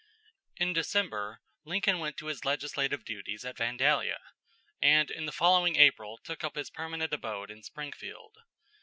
In December, Lincoln went to his legislative duties at Vandalia, and in the following April took up his permanent abode in Springfield.